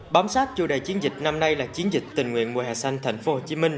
bám sát chủ đề chiến dịch năm nay là chiến dịch tình nguyện mùa hè xanh tp hcm